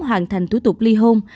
hoàn thành thủ tục ly hôn